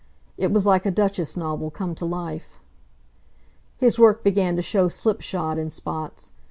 It was like a Duchess novel come to life. His work began to show slipshod in spots.